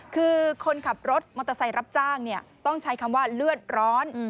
คือคนขับรถมอเตอร์ไซค์รับจ้างต้องใช้คำว่าเลือดร้อน